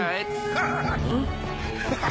ハハハハ。